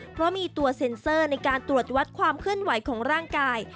เพราะมีตัวเซ็นเซอร์ในการตรวจวัดความเคลื่อนไหวของร่างกาย